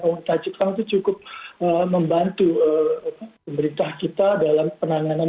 pemerintah jepang itu cukup membantu pemerintah kita dalam penanganan